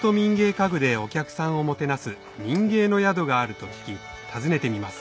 家具でお客さんをもてなす民芸の宿があると聞き訪ねてみます